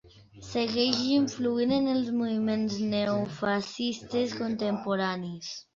Segueix influint en els moviments neofascistes contemporanis.